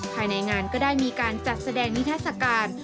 ภายในงานก็ได้มีการจัดแสดงนิทัศกาล